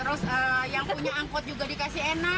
terus yang punya angkot juga dikasih enak